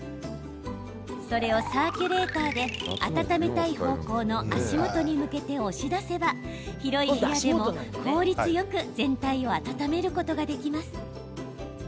それを、サーキュレーターで暖めたい方向の足元に向けて押し出せば広い部屋でも効率よく全体を暖めることができます。